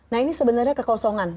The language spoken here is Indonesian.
nah ini sebenarnya kekosongan